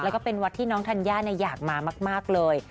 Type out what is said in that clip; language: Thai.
แล้วก็เป็นวัดที่น้องธัญญาอยากมามากเลย